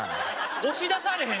押し出されへん？